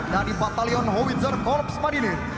dari batalion howitzer korps marinir